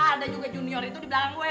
ada juga junior itu di belakang gue